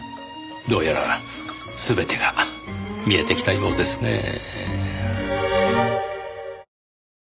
どうやら全てが見えてきたようですねぇ。